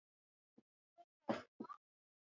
Wape mbwa dawa za minyoo mara kwa mara